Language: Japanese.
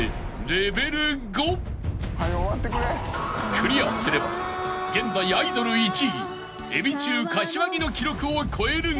［クリアすれば現在アイドル１位エビ中柏木の記録を超えるが］